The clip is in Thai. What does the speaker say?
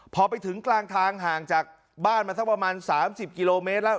พอไปถึงกลางทางห่างจากบ้านมาสักประมาณ๓๐กิโลเมตรแล้ว